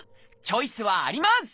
チョイスはあります！